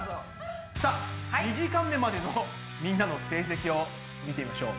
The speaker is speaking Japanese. さあ２時間目までのみんなの成績を見てみましょう。